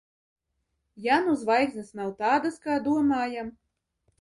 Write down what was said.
Ja nu zvaigznes nav tādas, kā domājam?